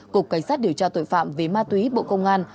cục cảnh sát điều tra tội phạm về ma túy bộ công an